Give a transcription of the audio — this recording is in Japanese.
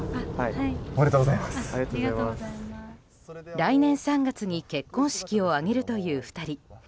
来年３月に結婚式を挙げるという２人。